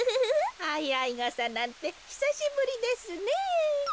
あいあいがさなんてひさしぶりですねぇ。